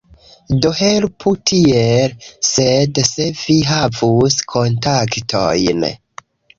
Do helpu tiel, sed se vi havus kontaktojn